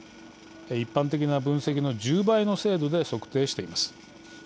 一般的な分析の１０倍の精度で測定しています。